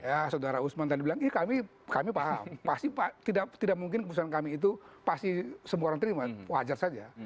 ya saudara usman tadi bilang ya kami paham pasti tidak mungkin keputusan kami itu pasti semua orang terima wajar saja